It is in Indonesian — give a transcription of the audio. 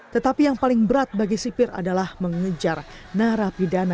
tetapi yang paling berat bagi sipir sipir ini adalah kegiatan